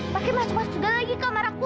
pakai masalah segala lagi kamar aku